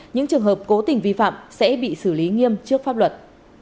những trường hợp cố tình vi phạm sẽ bị xử lý nghiêm trước pháp luật